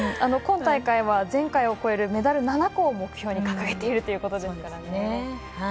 今大会は前回を超えるメダル７個を目標に掲げているということですから。